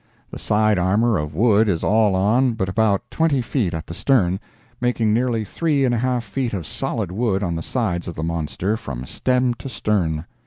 The side armor of wood is all on but about twenty feet at the stern, making nearly three and a half feet of solid wood on the sides of the monster, from stem to stern.